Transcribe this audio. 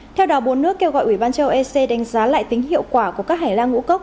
theo đó bốn nước kêu gọi ubnd đánh giá lại tính hiệu quả của các hành lan ngũ cốc